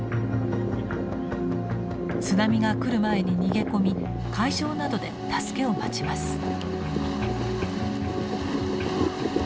津波が来る前に逃げ込み海上などで助けを待ちます。